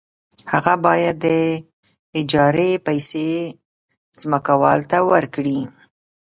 هغه باید د اجارې پیسې ځمکوال ته ورکړي